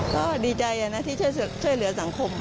ก็ดีใจนะที่ช่วยเหลือสังคม